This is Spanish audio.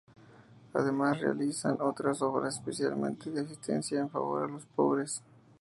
Además realizan otras obras, especialmente de asistencia en favor de los pobres.